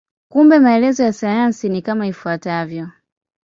Kumbe maelezo ya sayansi ni kama ifuatavyo.